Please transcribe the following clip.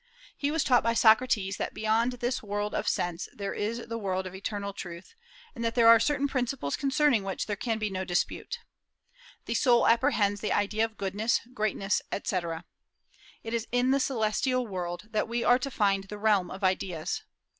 He was taught by Socrates that beyond this world of sense there is the world of eternal truth, and that there are certain principles concerning which there can be no dispute. The soul apprehends the idea of goodness, greatness, etc. It is in the celestial world that we are to find the realm of ideas.